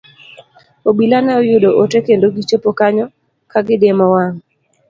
Obila ne oyudo ote, kendo gichopo kanyo ka diemo wang'.